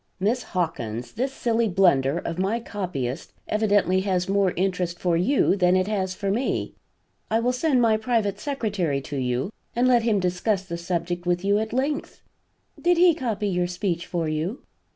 "Miss Hawkins, this silly blunder of my copyist evidently has more interest for you than it has for me. I will send my private secretary to you and let him discuss the subject with you at length." "Did he copy your speech for you?"